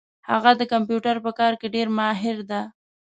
هغه د کمپیوټر په کار کي ډېر ماهر ده